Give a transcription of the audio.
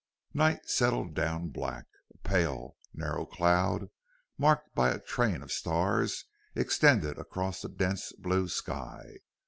Night settled down black. A pale, narrow cloud, marked by a train of stars, extended across the dense blue sky.